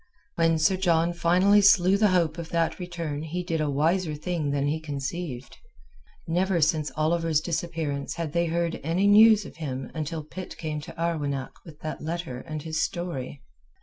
When Sir John finally slew the hope of that return he did a wiser thing than he conceived. Never since Oliver's disappearance had they heard any news of him until Pitt came to Arwenack with that letter and his story.